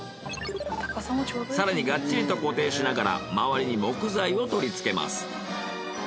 更にガッチリと固定しながら周りに木材を取り付けます。